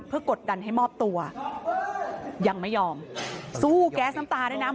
เพื่อกดดันให้มอบตัวยังไม่ยอมสู้แก๊สน้ำตาด้วยนะ